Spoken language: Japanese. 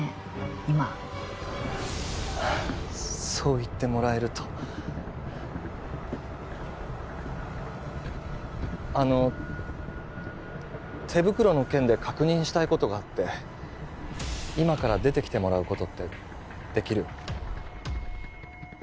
今あっそう言ってもらえるとあの手袋の件で確認したいことがあって今から出てきてもらうことってできる？